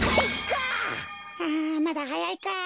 あまだはやいか。